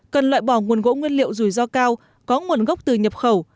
cần loại bỏ nguồn gỗ nguyên liệu rủi ro cao có nguồn gốc từ nhập khẩu